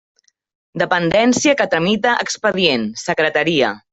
Dependència que tramita expedient: secretaria.